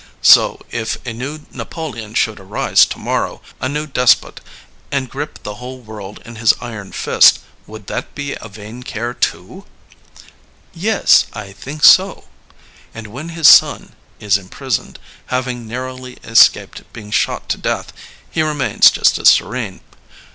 So, if a new Napoleon should arise to morrow, a new despot, and grip the whole world in his iron fist, would that be a vain care, toof Yes, I think so.'* And when his son is imprisoned, hav ing narrowly escaped being shot to death, he re mains just as serene.